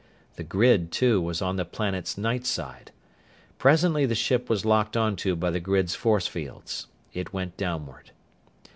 The grid, too, was on the planet's night side. Presently the ship was locked onto by the grid's force fields. It went downward.